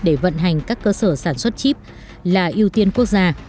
để vận hành các cơ sở sản xuất chip là ưu tiên quốc gia